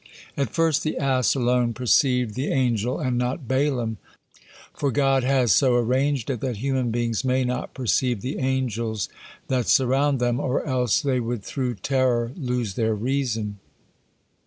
At first the ass alone perceived the angel, and not Balaam, for God has so arranged it that human beings may not perceive the angels that surround them or else they would through terror lose their reason.